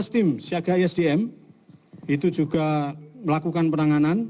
tiga belas tim siaga isdm itu juga melakukan penanganan